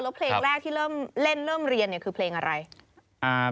แล้วเพลงแรกที่เริ่มเล่นเริ่มเรียนเนี่ยคือเพลงอะไร